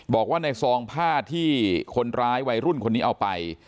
บอกว่าในซองผ้าที่คนร้ายวัยรุ่นคนนี้เอาไป